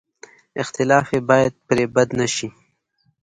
اختلاف یې باید پرې بد نه شي.